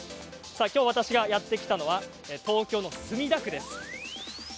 私がやって来たのは東京の墨田区です。